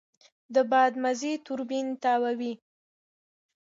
د باد مزی توربین تاووي.